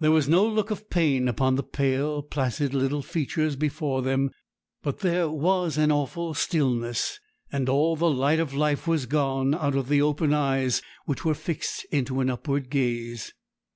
There was no look of pain upon the pale, placid little features before them; but there was an awful stillness, and all the light of life was gone out of the open eyes, which were fixed into an upward gaze.